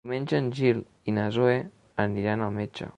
Diumenge en Gil i na Zoè aniran al metge.